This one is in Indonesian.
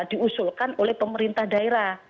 diusulkan oleh pemerintah daerah